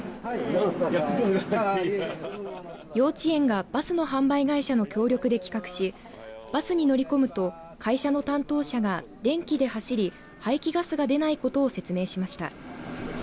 幼稚園がバスの販売会社の協力で企画しバスに乗り込むと会社の担当者が電気で走り排気ガスが出ないことを説明しました。